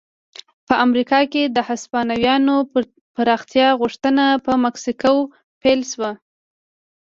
په امریکا کې د هسپانویانو پراختیا غوښتنه په مکسیکو پیل شوه.